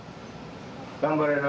頑張れる？